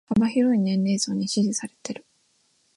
幅広い年齢層に支持されてる